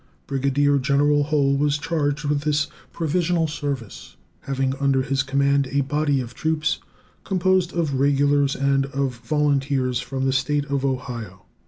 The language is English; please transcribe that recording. Brigadier General Hull was charged with this provisional service, having under his command a body of troops composed of regulars and of volunteers from the State of Ohio.